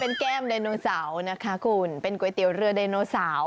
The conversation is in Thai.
เป็นแก้มไดโนเสาร์นะคะคุณเป็นก๋วยเตี๋ยวเรือไดโนเสาร์